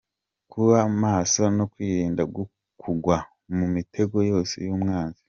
– Kuba maso no kwirinda kugwa mu mitego yose y’umwanzi;